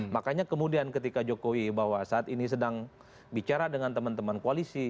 makanya kemudian ketika jokowi bahwa saat ini sedang bicara dengan teman teman koalisi